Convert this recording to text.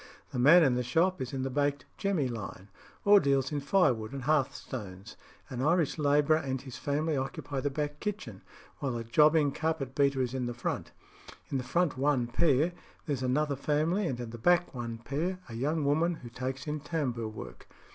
The man in the shop is in the "baked jemmy" line, or deals in firewood and hearthstones. An Irish labourer and his family occupy the back kitchen, while a jobbing carpet beater is in the front. In the front one pair there's another family, and in the back one pair a young woman who takes in tambour work.